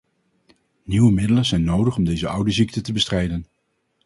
Nieuwe middelen zijn nodig om deze oude ziekte te bestrijden.